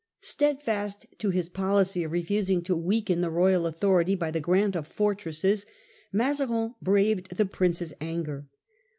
Steadfast to his policy of refusing to weaken the royal authority by the grant of fortresses, Mazarin braved the prince's anger.